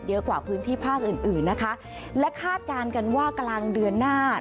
กว่าพื้นที่ภาคอื่นอื่นนะคะและคาดการณ์กันว่ากลางเดือนหน้า